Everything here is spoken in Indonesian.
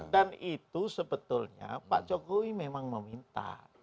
dan itu sebetulnya pak jokowi memang meminta